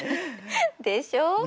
でしょう？